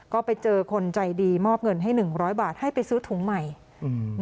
ก็ไปเจอคนใจดีมอบเงินให้หนึ่งร้อยบาทให้ไปซื้อถุงใหม่อืม